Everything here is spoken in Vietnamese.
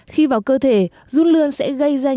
khi vào cơ thể run lươn sẽ gây ra nhiễm